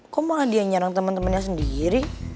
kok malah dia nyerang temen temennya sendiri